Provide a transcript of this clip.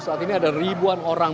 saat ini ada ribuan orang